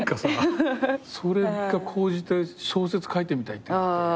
それが高じて小説書いてみたいって。